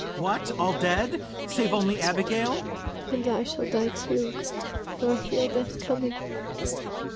What, all dead, save only Abigail! ABIGAIL. And I shall die too, for I feel death coming.